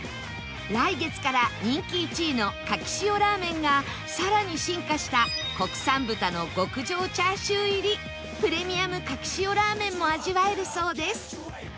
来月から人気１位の牡蠣塩らぁ麺がさらに進化した国産豚の極上チャーシュー入りプレミアム牡蠣塩らぁ麺も味わえるそうです